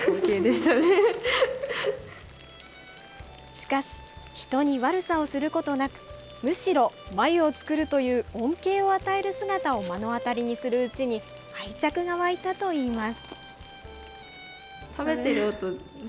しかし人に悪さをすることなくむしろ繭を作るという恩恵を与える姿を目の当たりにするうちに愛着がわいたといいます。